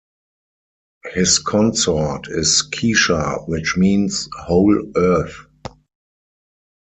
His consort is Kishar which means "Whole Earth".